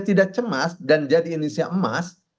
tidak cemas dan jadi indonesia emas